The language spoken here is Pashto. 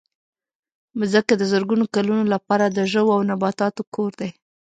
مځکه د زرګونو کلونو لپاره د ژوو او نباتاتو کور دی.